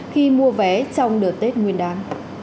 khi mua vé trong đợt tết nguyên đán